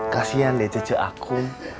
kasian deh cucu aku